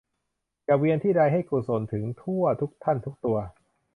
อย่าเวียนที่ใด ให้กุศลถึงทั่ว ทุกท่าน ทุกตัว